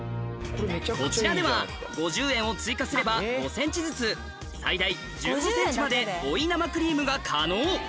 こちらでは５０円を追加すれば５ｃｍずつ最大１５ｃｍまで追い生クリームが可能